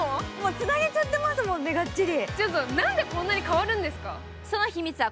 つなげちゃってますもんね、ガッチリ。